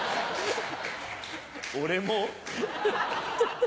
俺も。